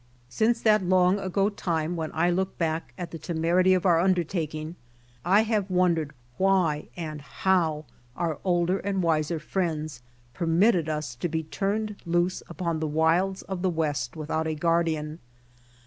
Since that long ago time when I look back at the temerity of our undertaking I have wondered why, and how, our older and wiser 2 BY OX TEAM TO CALIFORNIA friends permitted us to be turned loose upon the wilds of the West without a guardian.